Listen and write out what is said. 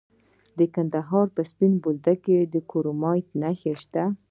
د کندهار په سپین بولدک کې د کرومایټ نښې شته.